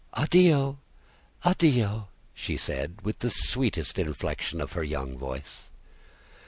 "Addio, addio!" she said, with the sweetest inflection of her young voice.